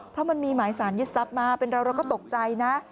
เพราะมันมีหมายสารยึดทรัพย์มาเป็นเราเราก็ตกใจนะ